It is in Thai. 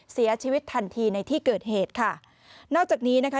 เสียชีวิตทันทีในที่เกิดเหตุค่ะนอกจากนี้นะคะ